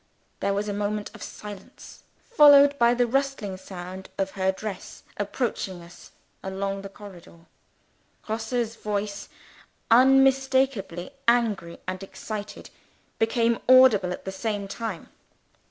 There was a moment of silence followed by the rustling sound of her dress, approaching us along the corridor. Grosse's voice unmistakably angry and excited became audible at the same time.